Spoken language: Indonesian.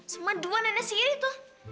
sama dua nenek siiri tuh